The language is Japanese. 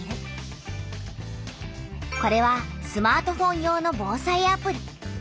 これはスマートフォン用の「防災アプリ」。